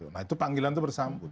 nah itu panggilan itu bersambut